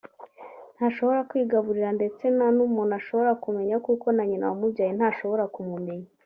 ntashobora kwigaburira ndetse nta n’umuntu ashobora kumenya kuko na nyina wamubyaye ntashobora kumumenya